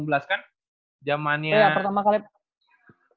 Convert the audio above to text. iya pertama kali pemain asing